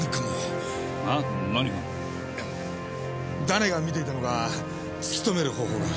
誰が見ていたのか突き止める方法が。